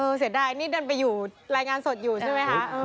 เสียดายนี่ดันไปอยู่รายงานสดอยู่ใช่ไหมคะ